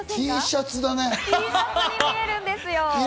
Ｔシャツに見えるんですよ。